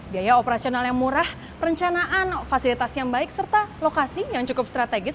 biaya operasional yang murah perencanaan fasilitas yang baik serta lokasi yang cukup strategis